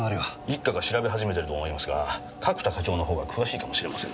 一課が調べ始めてると思いますが角田課長のほうが詳しいかもしれませんね。